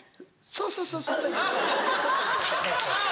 そうそうそうそう。